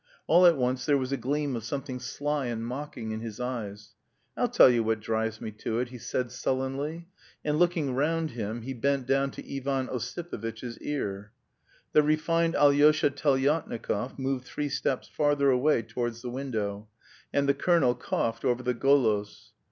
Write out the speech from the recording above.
All at once there was a gleam of something sly and mocking in his eyes. "I'll tell you what drives me to it," he said sullenly, and looking round him he bent down to Ivan Ossipovitch's ear. The refined Alyosha Telyatnikov moved three steps farther away towards the window, and the colonel coughed over the Golos.